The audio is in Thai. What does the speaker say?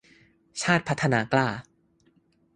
ชาติพัฒนากล้า